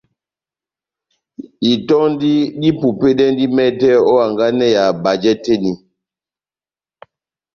Itɔndi dipupedɛndi mɛtɛ ó hanganɛ ya bajɛ tɛ́h eni.